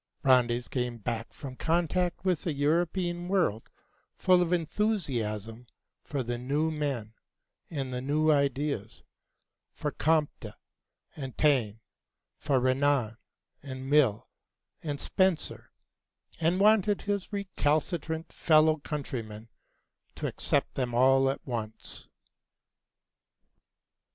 Brandes came back from contact with the European world full of enthusiasm for the new men and the new ideas, for Comte and Taine, for Renan and Mill and Spencer, and wanted his recalcitrant fellow countrymen to accept them all at once.